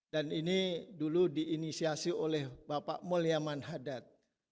dan ini dulu diinisiasi oleh bapak mulya manhadat